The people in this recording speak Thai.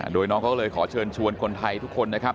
โดยน้องเขาก็เลยขอเชิญชวนคนไทยทุกคนนะครับ